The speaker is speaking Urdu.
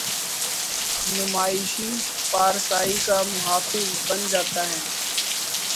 نمائشی پارسائی کا محافظ بن جاتا ہے۔